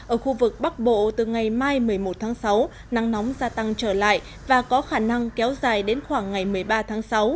ở khu vực bắc bộ từ ngày mai một mươi một tháng sáu nắng nóng gia tăng trở lại và có khả năng kéo dài đến khoảng ngày một mươi ba tháng sáu